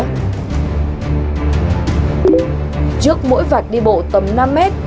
trước mỗi vạch đi bộ tầm năm mét